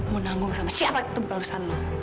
mau nanggung sama siapa itu bukan urusan lo